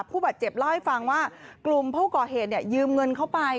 ผู้บาดเจ็บเล่าให้ฟังว่ากลุ่มผู้ก่อเหตุยืมเงินเข้าไป